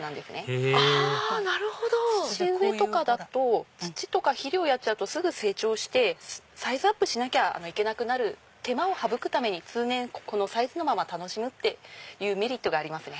へぇ土植えとかだと土とか肥料やっちゃうとすぐ成長してサイズアップしなきゃいけなくなる手間を省くために通年このサイズのまま楽しむっていうメリットがありますね。